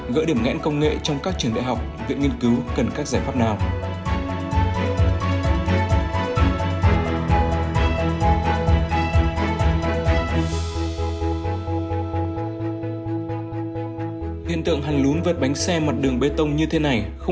gỡ điểm ngẽn công nghệ trong các trường đại học viện nghiên cứu cần các giải pháp nào